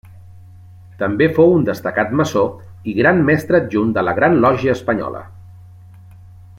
També fou un destacat maçó i Gran Mestre Adjunt de la Gran Lògia Espanyola.